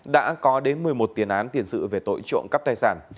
đã có đến một mươi một tiền án tiền sự về tội trộm cắp tài sản